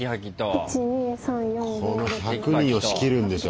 この１００人を仕切るんでしょ？